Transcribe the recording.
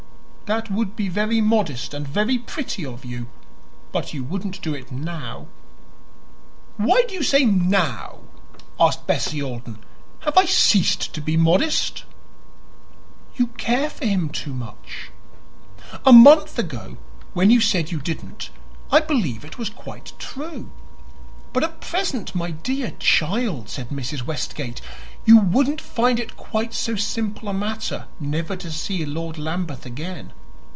"That would be very modest and very pretty of you; but you wouldn't do it now." "Why do you say 'now'?" asked Bessie Alden. "Have I ceased to be modest?" "You care for him too much. A month ago, when you said you didn't, I believe it was quite true. But at present, my dear child," said Mrs. Westgate, "you wouldn't find it quite so simple a matter never to see Lord Lambeth again.